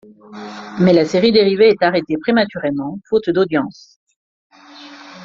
Mais la série dérivée est arrêtée prématurément, faute d’audiences.